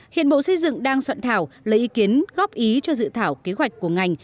hiện bộ xây dựng đang soạn thảo lấy ý kiến góp ý cho dự thảo kế hoạch của ngành